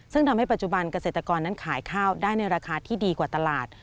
ซึ่งทำให้ปัจจุบันเกษตรกรนั้นขายข้าวได้ในราคาที่ดีกว่าตลาด